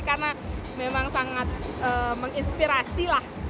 karena memang sangat menginspirasi